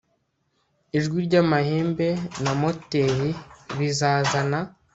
Ijwi ryamahembe na moteri bizazana